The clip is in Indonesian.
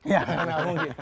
ya gak mungkin